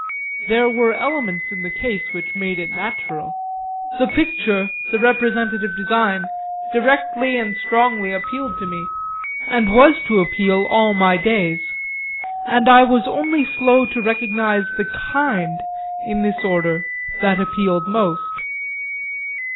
There were elements in the case that made it natural: the picture, the representative design, directly and strongly appealed to me, and was to appeal all my days, and I was only slow to recognise the kind, in this order, that appealed most.